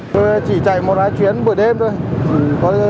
tôi chỉ chạy một lái chuyến buổi đêm thôi